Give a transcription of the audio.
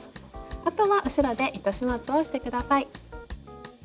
あとは後ろで糸始末をして下さい。